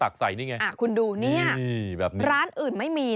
คุณดูนี่ร้านอื่นไม่มี